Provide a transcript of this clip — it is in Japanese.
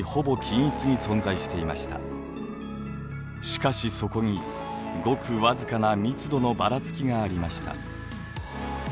しかしそこにごくわずかな「密度のばらつき」がありました。